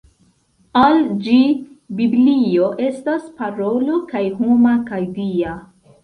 Al ĝi Biblio estas parolo kaj homa kaj Dia.